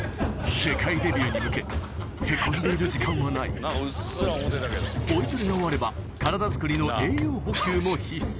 世界デビューに向けへこんでいる時間はないボイトレが終われば体づくりの栄養補給も必須